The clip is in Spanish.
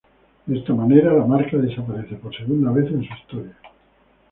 De esta manera la marca desaparece por segunda vez en su historia.